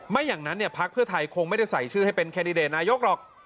ไม่อย่างนั้นเนี่ยพักเพื่อไทยคงไม่ได้ใส่ชื่อให้เป็นแคนดิเดตนายกหรอก